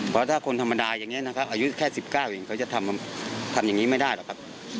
เพราะถ้าคนธรรมดาอย่างนี้นะครับอายุแค่๑๙เองเขาจะทำอย่างนี้ไม่ได้หรอกครับ